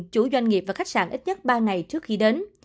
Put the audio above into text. chủ doanh nghiệp và khách sạn ít nhất ba ngày trước khi đến